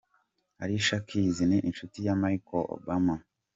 Alcia Keys ni inshuti ya Michelle Obama.